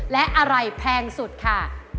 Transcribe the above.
และอะไรแพงสุดค่ะ